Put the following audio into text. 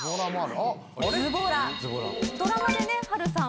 ドラマでね波瑠さん